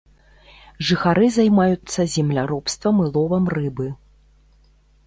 Жыхары займаюцца земляробствам і ловам рыбы.